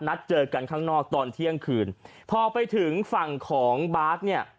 นัดเจอกันข้างนอกตอนเที่ยงคืนพอไปถึงฝั่งของบาสเนี่ย